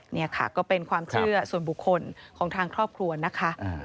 นี่ค่ะก็เป็นความเชื่อส่วนบุคคลของทางครอบครัวนะคะ